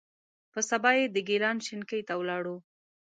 په سبا یې د ګیلان شینکۍ ته ولاړو.